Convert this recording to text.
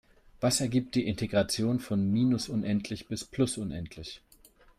Was ergibt die Integration von minus unendlich bis plus unendlich?